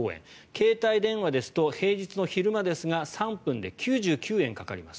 携帯電話ですと平日の昼間ですが３分で９９円かかります。